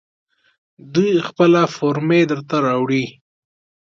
دوی خپله فورمې درته راوړي.